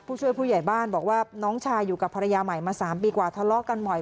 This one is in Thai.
ผู้ช่วยผู้ใหญ่บ้านบอกว่าน้องชายอยู่กับภรรยาใหม่มา๓ปีกว่าทะเลาะกันบ่อย